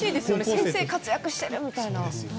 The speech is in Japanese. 先生活躍してるみたいな。